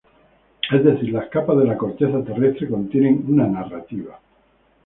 Es decir, las capas de la corteza terrestre contienen una narrativa.